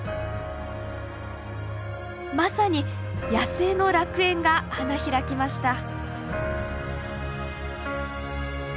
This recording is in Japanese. まさに野生の楽園が花開きました。